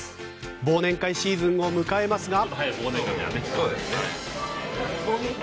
忘年会シーズンを迎えますが。